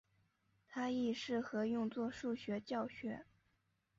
它亦适合用作数学教学。